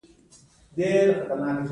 په لوړ غږ لوستل هم یوه مؤثره طریقه ده.